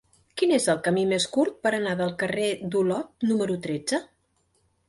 Quin és el camí més curt per anar al carrer d'Olot número tretze?